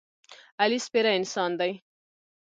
علي سپېره انسان دی.